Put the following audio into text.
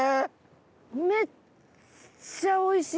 めっちゃおいしい！